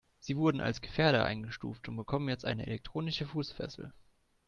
Sie wurden als Gefährder eingestuft und bekommen jetzt eine elektronische Fußfessel.